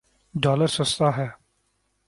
Dollar سستا ہے۔